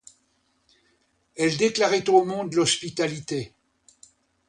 Elle déclarait au monde l'hospitalité.